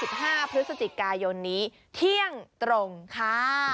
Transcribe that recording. วันอาทิตย์๒๕พฤศจิกายนนี้เที่ยงตรงค่ะ